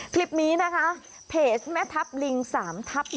คลิปนี้นะคะเพจแม่ทัพลิง๓ทับ๑